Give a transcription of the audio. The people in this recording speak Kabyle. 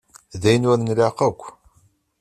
D ayen ur nlaq akk.